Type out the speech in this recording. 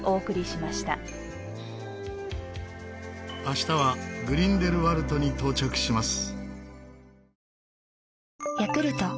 明日はグリンデルワルトに到着します。